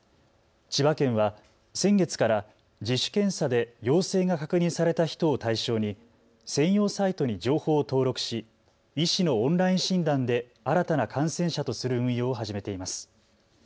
千葉県は先月から自主検査で陽性が確認された人を対象に専用サイトに情報を登録し医師のオンライン診断で新たな感染者とする運用を始めています。